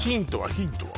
ヒントは？